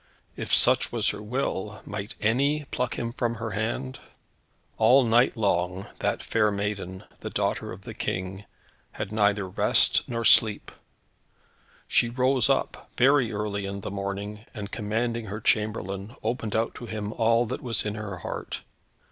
If such was her will, might any pluck him from her hand? All night long, that fair maiden, the daughter of the King, had neither rest nor sleep. She rose up, very early in the morning, and commanding her chamberlain, opened out to him all that was in her heart.